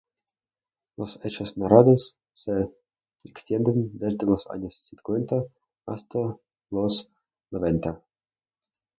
Los hechos narrados se extienden desde los años cincuenta hasta los noventa.